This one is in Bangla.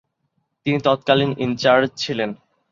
তিনি তৎকালীন ইনচার্জ ছিলেন।